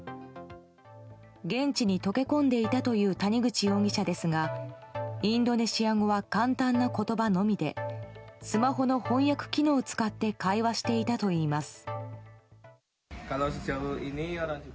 現地に溶け込んでいたという谷口容疑者ですがインドネシア語は簡単な言葉のみでスマホの翻訳機能を使って会話していたといいます。